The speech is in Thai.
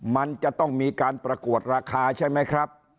มันจะต้องมีการประกวดราคาใช่ไหมครับ